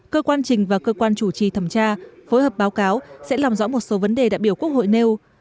cơ quan trình và cơ quan chủ trì thẩm tra phối hợp báo cáo sẽ làm rõ một số vấn đề đại biểu quốc hội nêu